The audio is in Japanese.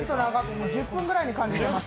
１０分ぐらいに感じてました。